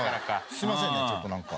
すみませんねちょっとなんか。